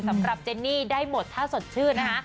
สำหรับเจนนี่ได้หมดถ้าสดชื่นนะคะ